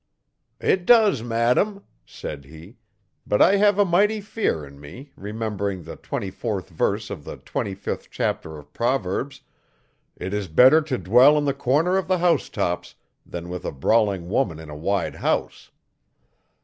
'It does, Madame,' said he, 'but I have a mighty fear in me, remembering the twenty fourth verse of the twenty fifth chapter of Proverbs: "It is better to dwell in the corner of the housetops than with a brawling woman in a wide house."